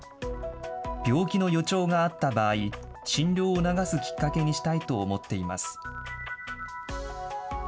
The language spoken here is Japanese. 病気の予兆があった場合、診療を促すきっかけにしたいと思っています。